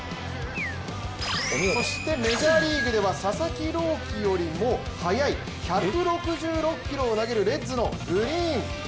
そしてメジャーリーグでは佐々木朗希よりも速い１６６キロを投げるレッズのグリーン。